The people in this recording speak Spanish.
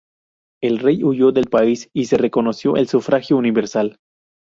El rey huyó del país y se reconoció el sufragio universal.